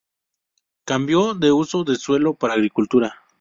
Cambio de uso de suelo para agricultura.